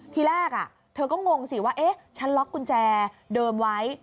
ทีแรกเธอก็งงสิว่าเอ๊ะฉันล็อกกุญแจเดิมไว้